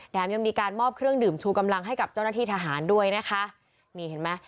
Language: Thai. ยังมีการมอบเครื่องดื่มชูกำลังให้กับเจ้าหน้าที่ทหารด้วยนะคะนี่เห็นไหม